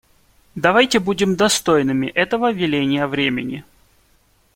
Давайте будем достойными этого веления времени.